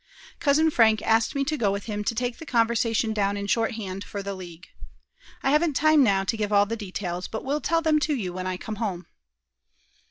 Cousin Frank asked me to go with him to take the conversation down in shorthand for the League. I haven't time now to give all the details, but will tell them to you when I come home."